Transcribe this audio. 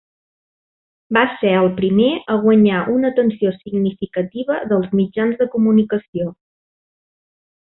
Va ser el primer a guanyar una atenció significativa dels mitjans de comunicació.